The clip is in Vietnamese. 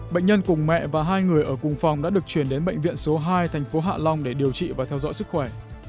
bệnh nhân cùng mẹ và hai người ở cùng phòng đã được chuyển đến bệnh viện số hai thành phố hạ long để điều trị và theo dõi sức khỏe